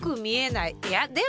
いやでも。